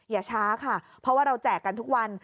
อย่าช้าค่ะเพราะว่าเราแจกกันทุกวัน